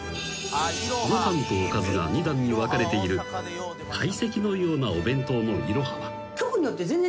［ご飯とおかずが２段に分かれている懐石のようなお弁当のいろはは］